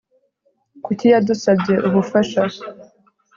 Kuki yadusabye ubufasha